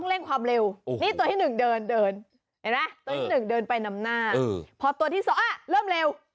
เริ่มเร็ว